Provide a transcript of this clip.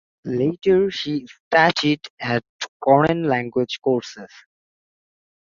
Later she studied at foreign language courses.